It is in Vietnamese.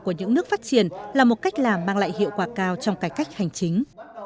của những nước phát triển là một cách làm mang lại hiệu quả cao trong cải cách hành chính